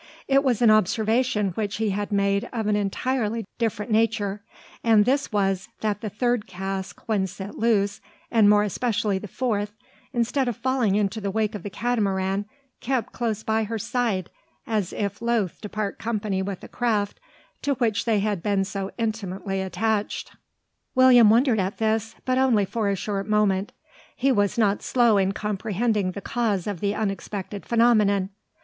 It was an observation which he had made of an entirely different nature; and this was, that the third cask when set loose, and more especially the fourth, instead of falling into the wake of the Catamaran, kept close by her side, as if loath to part company with a craft to which they had been so intimately attached. William wondered at this, but only for a short moment. He was not slow in comprehending the cause of the unexpected phenomenon.